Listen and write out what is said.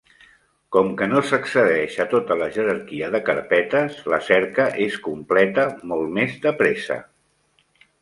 Com que no s'accedeix a tota la jerarquia de carpetes, la cerca es completa molt més de pressa.